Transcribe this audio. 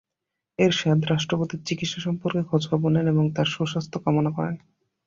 এরশাদ রাষ্ট্রপতির চিকিৎসা সম্পর্কে খোঁজখবর নেন এবং তাঁর সুস্বাস্থ্য কামনা করেন।